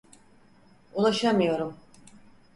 Ulaşamıyorum.